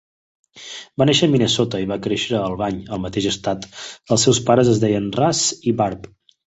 Va néixer a Minnesota i va créixer a Albany, al mateix estat. Els seus pares es deien Russ i Barb.